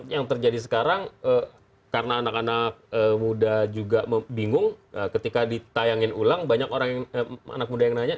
yang terjadi sekarang karena anak anak muda juga bingung ketika ditayangin ulang banyak orang anak muda yang nanya